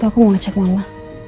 aku mau ngecek mama